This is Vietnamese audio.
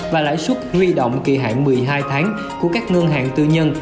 và lãi suất huy động kỳ hạn một mươi hai tháng của các ngân hàng tư nhân